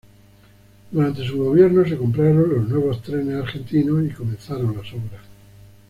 Durante su gobierno se compraron los nuevos trenes argentinos y comenzaron las obras.